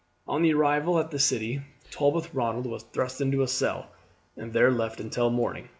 On the arrival at the city Tolbooth Ronald was thrust into a cell and there left until morning.